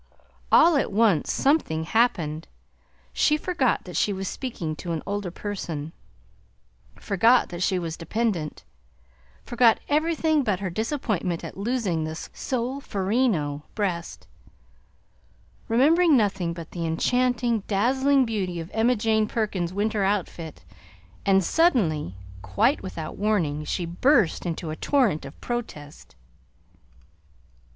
All at once something happened. She forgot that she was speaking to an older person; forgot that she was dependent; forgot everything but her disappointment at losing the solferino breast, remembering nothing but the enchanting, dazzling beauty of Emma Jane Perkins's winter outfit; and suddenly, quite without warning, she burst into a torrent of protest.